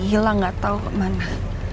hilang gak tahu kemana